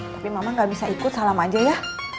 tapi mama gak bisa ikut salam aja ya